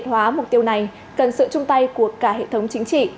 thực hóa mục tiêu này cần sự chung tay của cả hệ thống chính trị